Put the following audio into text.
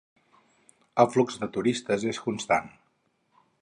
El flux de turistes és constant.